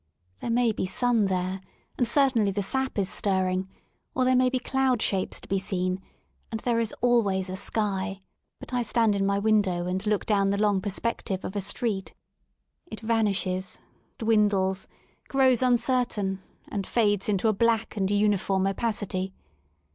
There may i i be sun there, and certainly the sap is stirring, or there may be cloud shapes to be seen, and there is always a sky. But I stand in my window and look down the long perspective of a street. It vanishes, dwindles, 158 I REST IN LONDON grows uncertain, and fades into a black and uniform opacity.